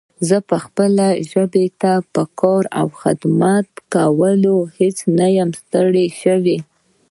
زه به خپلې ژبې ته په کار او خدمت کولو هيڅکله ستړی نه شم